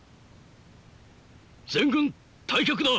全軍退却だ！